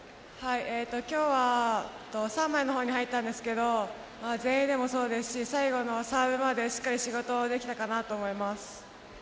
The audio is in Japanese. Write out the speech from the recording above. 今日は３枚の方に入ったんですが前衛でもそうですし最後のサーブまでしっかり仕事ができたかなと思います。